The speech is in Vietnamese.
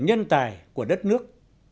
nhân tài của đất nước